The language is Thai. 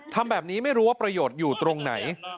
ทำแบบนี้ไม่รู้ว่าประโยชน์อยู่ตรงไหน